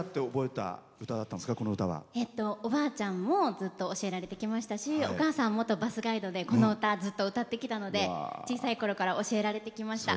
おばあちゃんもずっと教えられてきましたしお母さんは、元バスガイドでこの歌をずっと歌ってきたので小さいころから教えられてきました。